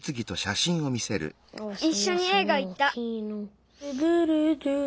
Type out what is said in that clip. いっしょにえいがいった。